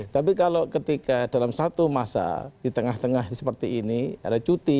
tapi kalau ketika dalam satu masa di tengah tengah seperti ini ada cuti